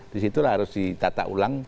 di situ harus ditata ulang